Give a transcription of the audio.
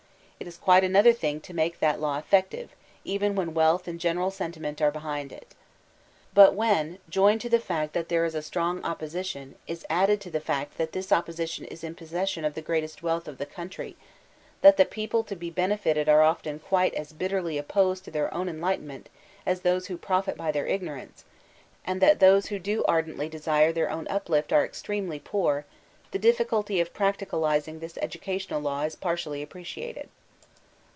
It is quite another thing to make that law effective, even when weahh and general sentiment are behind it But when joined to the fact that there is a strong opposition is added the fact that this opposition is in possession of the greatest wealth of tfie country, that the people to be benefited are often quite as bitterly opposed to their own enlightenment as those who profit by their ignorance, and that those who do ardently desire their own uplift are extremel y poor, the difficulty of practicaliring this educational law is par tially appreciated.